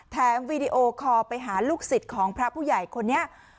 วีดีโอคอลไปหาลูกศิษย์ของพระผู้ใหญ่คนนี้